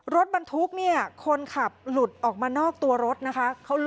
รถบรรทุกเนี่ยคนขับหลุดออกมานอกตัวรถนะคะ